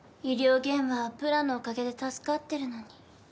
医療現場はプラのおかげで助かってるのに。